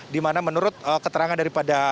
di mana menurut keterangan daripada